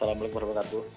assalamualaikum wr wb